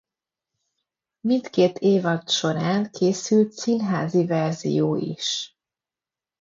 Mindkét évad során készült színházi verzió is.